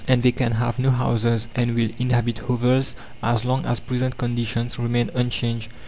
And they can have no houses, and will inhabit hovels as long as present conditions remain unchanged.